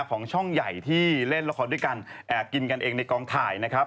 ของช่องใหญ่ที่เล่นละครด้วยกันแอบกินกันเองในกองถ่ายนะครับ